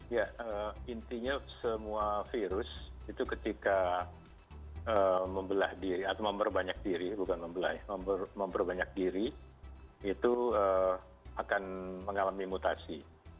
ya intinya semua virus itu ketika memperbanyak diri itu akan mengalami mutasi